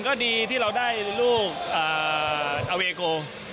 ก็ดีที่เราได้ลูกอเวโก